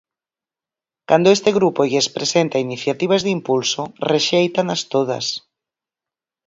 Cando este grupo lles presenta iniciativas de impulso, rexéitanas todas.